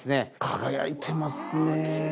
輝いてますね。